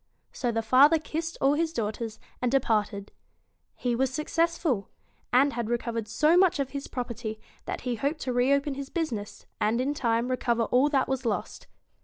So the father kissed all his daughters, and de parted. He was successful ; and had recovered so much of his property that he hoped to reopen his business, and in time recover all that was lost.